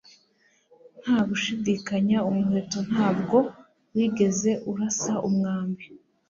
Nta gushidikanya umuheto ntabwo wigeze urasa umwambi